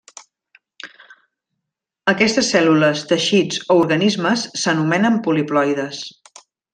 Aquestes cèl·lules, teixits o organismes s'anomenen poliploides.